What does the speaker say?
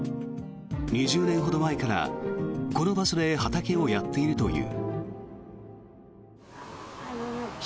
２０年ほど前からこの場所で畑をやっているという。